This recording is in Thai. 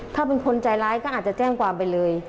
ถ้าเป็นคนใจร้ายก็อาจจะแจ้งความไปเลย